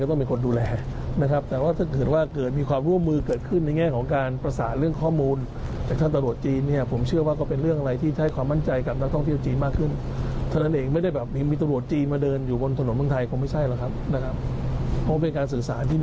ทำอะไรผิดผลหมายกับคนจีนเองที่นี่นะครับ